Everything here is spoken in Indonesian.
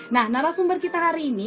nah narasumber kita hari ini